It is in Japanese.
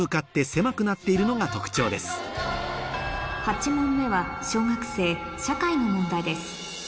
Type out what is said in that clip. ８問目は小学生社会の問題です